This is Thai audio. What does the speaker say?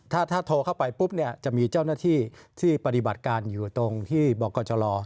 ถ้าโทรเข้าไปปุ๊บเนี่ยจะมีเจ้าหน้าที่ที่ปฏิบัติการอยู่ตรงที่บกจร